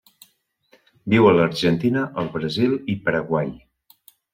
Viu a l'Argentina, el Brasil i Paraguai.